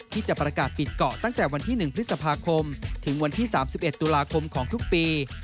ที่จะประกาศปิดเกาะตั้งแต่วันที่๑พฤษภาคมถึงวันที่๓๑ตุลาคมของทุกปี